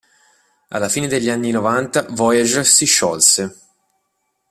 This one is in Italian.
Alla fine degli anni novanta Voyager si sciolse.